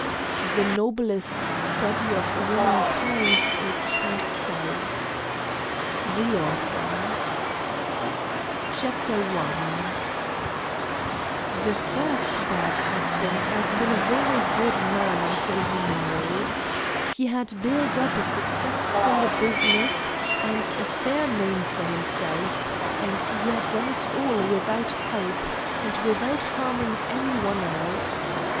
The noblest study of womankind is herself. THE AUTHOR. SIX BAD HUSBANDS AND SIX UNHAPPY WIVES I The first bad husband had been a very good man until he married. He had built up a successful business and a fair name for himself, and he had done it all without help, and without harming any one else.